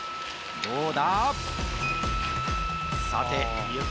どうだ？